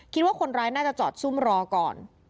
คิดว่าคนร้ายน่าจะจอดซุ่มรอก่อน